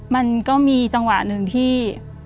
มันก็มีจังหวะหนึ่งที่